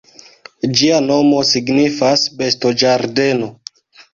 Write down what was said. Ĝia nomo signifas "bestoĝardeno".